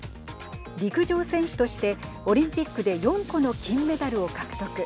陸上選手としてオリンピックで４個の金メダルを獲得。